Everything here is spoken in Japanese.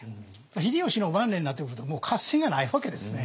秀吉の晩年になってくると合戦がないわけですね。